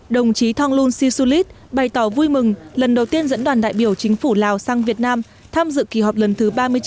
đồng chí thonglun sisulit bày tỏ vui mừng lần đầu tiên dẫn đoàn đại biểu chính phủ lào sang việt nam tham dự kỳ họp lần thứ ba mươi chín